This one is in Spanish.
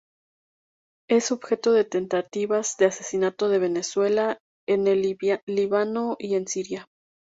Es objeto de tentativas de asesinato en Venezuela, en el Líbano y en Siria.